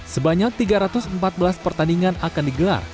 sebanyak tiga ratus empat belas pertandingan akan digelar